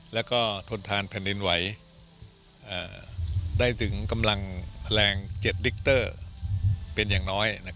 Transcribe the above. แล้วก็ทนทานแผ่นดินไหวได้ถึงกำลังแรง๗ดิกเตอร์เป็นอย่างน้อย